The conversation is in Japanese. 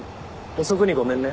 遅くにごめんね。